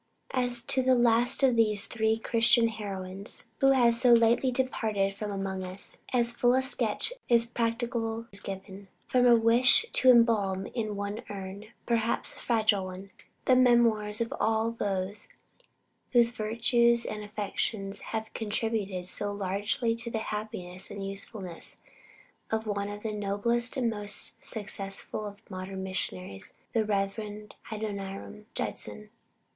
As to the last of these three Christian heroines who has so lately departed from among us, as full a sketch as practicable is given, from a wish to embalm in one urn perhaps a fragile one the memories of all those whose virtues and affections have contributed so largely to the happiness and usefulness of one of the noblest and most successful of modern missionaries the Rev. Adoniram Judson.